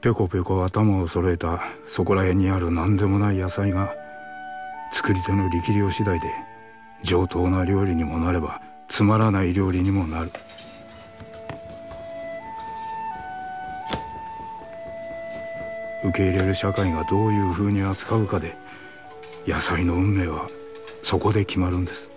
ぴょこぴょこ頭を揃えたそこらへんにある何でもない野菜が作り手の力量次第で上等な料理にもなればつまらない料理にもなる受け入れる社会がどういうふうに扱うかで野菜の運命はそこで決まるんです。